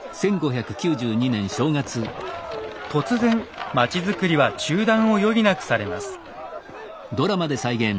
突然町づくりは中断を余儀なくされます。